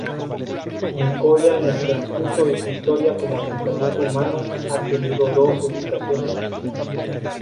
Nicoya en el transcurso de su historia como asentamiento humano, ha tenido dos ubicaciones.